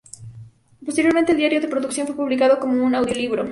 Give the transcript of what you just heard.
Posteriormente el diario de producción fue publicado como un audiolibro.